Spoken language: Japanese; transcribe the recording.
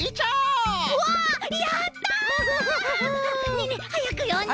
ねえねえはやくよんで！